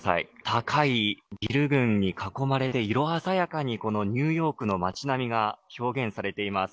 高いビル群に囲まれて色鮮やかにニューヨークの街並みが表現されています。